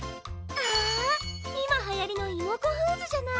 あいまはやりのイモコフーズじゃない！